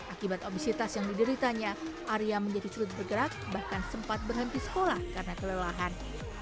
akibat obesitas yang dideritanya arya menjadi sulit bergerak bahkan sempat berhenti sekolah karena kelelahan